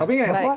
tapi ngak ya pak